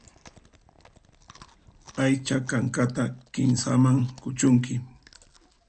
Aycha kankata kinsaman kuchunki.